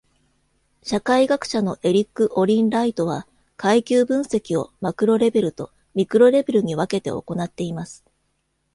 社会学者のエリック・オリン・ライトは、階級分析をマクロ・レベルとミクロレベルに分けて行っています。